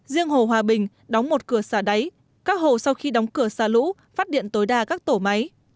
riêng hồ hòa bình đóng một cửa xả đáy các hồ sau khi đóng cửa xả lũ phát điện tối đa các tổ máy